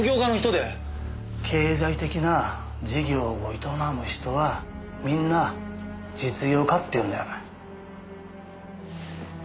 経済的な事業を営む人はみんな実業家っていうんだよお前。